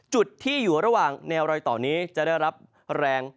จุดที่อยู่ระหว่างแนวรอยต่อนี้จะได้รับแรง